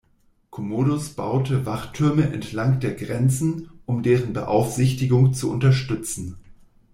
Commodus baute Wachtürme entlang der Grenzen, um deren Beaufsichtigung zu unterstützen.